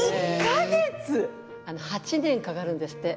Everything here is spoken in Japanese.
８年かかるんですって。